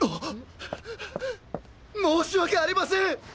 申し訳ありません！